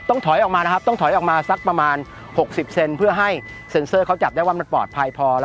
ต้องถอยออกมาประมาณ๖๐เซนต์เพื่อให้เซ็นเซอร์ได้ว่ามันปลอดภัยพอ